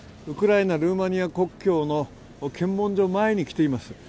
ウクライナ・ルーマニア国境の検問所前に来ています。